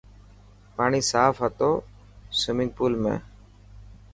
پاڻي صاف هتو سومنگپول ۾.